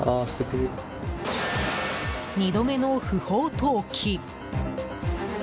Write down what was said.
２度目の不法投棄！